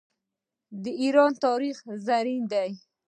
د ایران تاریخ زرین دی.